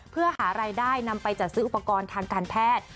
เพื่อหารายได้นำไปจัดซื้ออุปกรณ์ทางการแพทย์